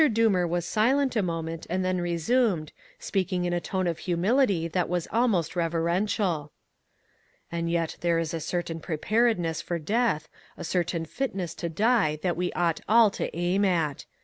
Doomer was silent a moment and then resumed, speaking in a tone of humility that was almost reverential. "And yet there is a certain preparedness for death, a certain fitness to die that we ought all to aim at.